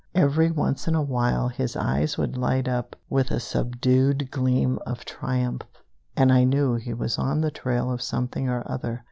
Every once in a while his eyes would light up with a subdued gleam of triumph, and I knew he was on the trail of something or other.